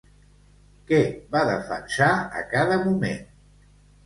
Què va defensar a cada moment?